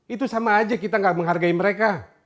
itu sama aja kita gak menghargai mereka